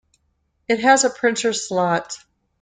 It has a printer slot.